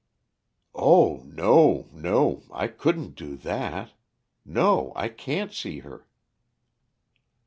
"Oh! no, no! I couldn't do that. No, I can't see her."